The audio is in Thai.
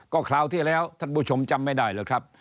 ก็คราวที่แล้วท่านผู้ชมจำไม่ได้เลยครับ